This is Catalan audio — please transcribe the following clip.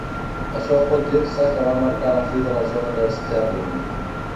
Això por dir-se que va marcar la fi de la zona de Sterling.